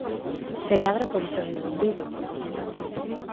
Se cadra por iso vivo en Vigo.